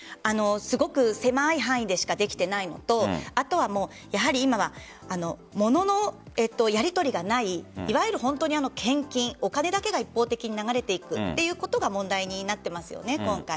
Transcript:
すごく狭い範囲でしかできていないのとあとは今は物のやりとりがないいわゆる本当に献金お金だけが一方的に流れていくということが問題になっていますよね、今回。